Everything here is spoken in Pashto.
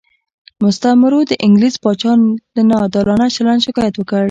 مستعمرو د انګلیس پاچا له ناعادلانه چلند شکایت وکړ.